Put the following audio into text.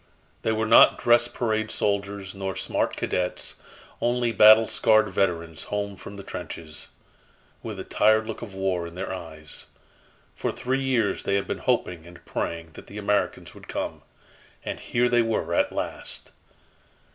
They were not dress parade soldiers nor smart cadets only battle scarred veterans home from the trenches, with the tired look of war in their eyes. For three years they had been hoping and praying that the Americans would come and here they were at last!